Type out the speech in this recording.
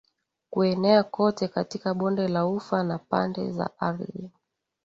kuenea kote katika Bonde la Ufa na pande za ardhi